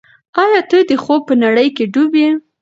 ایا ته د خوب په نړۍ کې ډوب یې؟